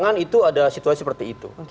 di lapangan itu ada situasi seperti itu